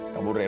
kabur nih bu